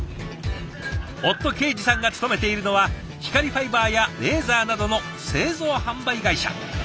夫恵司さんが勤めているのは光ファイバーやレーザーなどの製造販売会社。